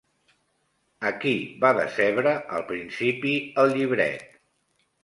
A qui va decebre al principi el llibret?